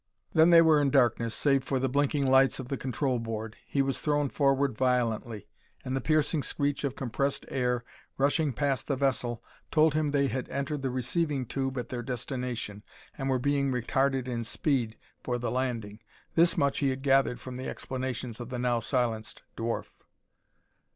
Then they were in darkness save for the blinking lights of the control board. He was thrown forward violently and the piercing screech of compressed air rushing past the vessel told him they had entered the receiving tube at their destination and were being retarded in speed for the landing. This much he had gathered from the explanations of the now silenced dwarf.